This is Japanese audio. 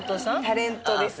タレントです。